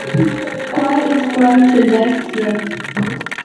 Quai es quai ch’el vess gugent.